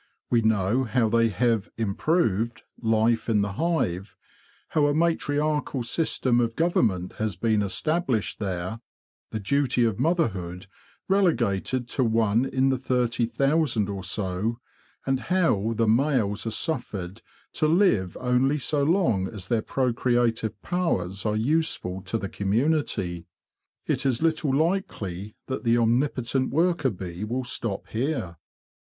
We know how they have ' improved" life in the hive—how a matriarchal system of government has been established there, the duty of motherhood relegated to one in the thirty thousand or so, and how the males are suffered to live only so long as their procreative powers are useful to the community. It is little likely that the omnipotent worker bee will stop here.